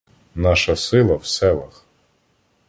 Наша сила в селах.